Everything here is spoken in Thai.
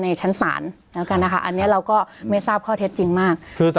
ในชั้นสารนะคะอันนี้เราก็ไม่ทราบข้อเท็จจริงมาก